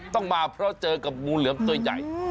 ต้องมาเพราะเจอกับงูเหลือมตัวใหญ่